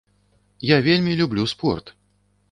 Я вельмі люблю спорт.